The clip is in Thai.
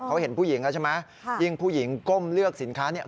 เขาเห็นผู้หญิงแล้วใช่ไหมยิ่งผู้หญิงก้มเลือกสินค้าเนี่ย